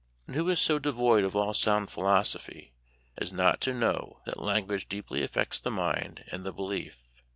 And who is so devoid of all sound philosophy as not to know that language deeply affects the mind and the belief.